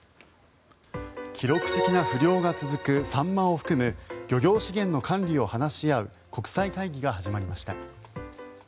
記録的な不漁が続くサンマを含む漁業資源の管理を話し合う国際会議が始まりました。